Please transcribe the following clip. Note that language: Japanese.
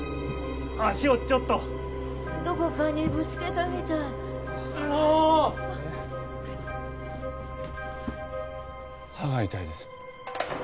足をちょっとどこかにぶつけたみたいあの歯が痛いです